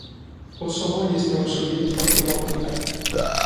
Kosovo este un subiect foarte complicat.